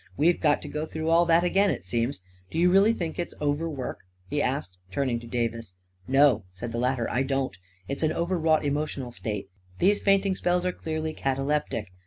" We've got to go through all that again, it seems! Do you really think it is overwork? " he asked, turning to Davis. " No," said the latter, " I don't It's an over wrought emotional state. These fainting spells are clearly cataleptic.